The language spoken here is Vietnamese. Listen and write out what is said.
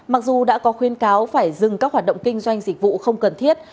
mặc dù đã có khuyên cáo phải dừng các hoạt động kinh doanh dịch vụ không cần thiết